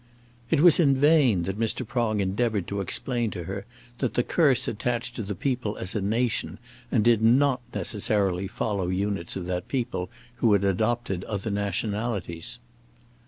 It was in vain that Mr. Prong endeavoured to explain to her that the curse attached to the people as a nation, and did not necessarily follow units of that people who had adopted other nationalities.